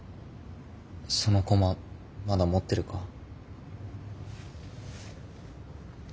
その駒まだ持ってるか？